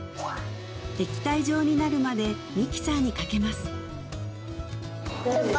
液体状になるまでミキサーにかけます